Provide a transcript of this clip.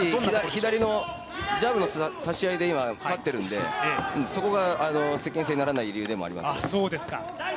左のジャブの差し合いで今、勝っているんでそこが接近戦にならない理由でもあります。